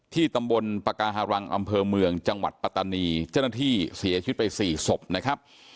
ตำบลปากาฮารังอำเภอเมืองจังหวัดปัตตานีเจ้าหน้าที่เสียชีวิตไป๔ศพนะครับ